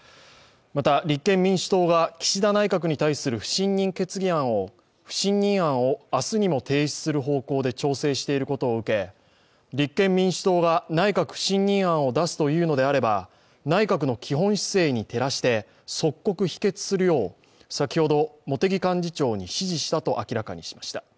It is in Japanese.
また、立憲民主党が岸田内閣に対する不信任案を明日にも提出する方向で調整していることを受け、立憲民主党が内閣不信任案を出すというのであれば、内閣の基本姿勢に照らして即刻否決するよう、先ほど、茂木幹事長に指示したとしました。